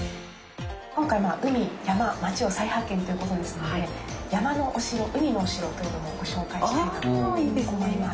今回まあ「海・山・町を再発見」という事ですので山のお城海のお城というのもご紹介したいなと思います。